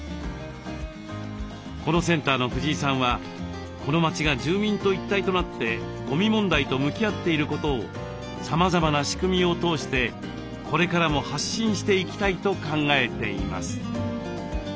このセンターの藤井さんはこの町が住民と一体となってゴミ問題と向き合っていることをさまざまな仕組みを通してこれからも発信していきたいと考えています。